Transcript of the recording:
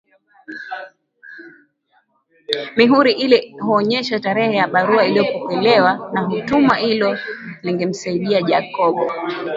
Mihuri ile huonesha tarehe ya barua iliyopokelewa na kutumwa hilo lingemsaidia Jacob